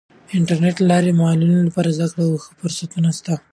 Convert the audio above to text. د انټرنیټ له لارې د معلولینو لپاره د زده کړې او ښه فرصتونه سته.